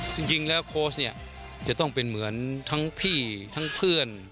จริงแล้วโค้ชเนี่ยจะต้องเป็นเหมือนทั้งพี่ทั้งเพื่อน